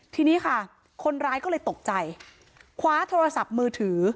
ทีนี้ค่ะคนร้ายก็เลยตกใจคว้าโทรศัพท์มือถือ